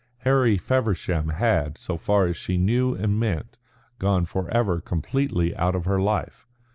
Harry Feversham had, so far as she knew and meant, gone forever completely out of her life.